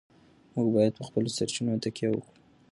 موږ باید په خپلو سرچینو تکیه وکړو.